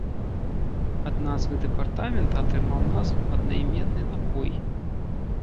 Ад назвы дэпартамента атрымаў назву аднаіменны напой.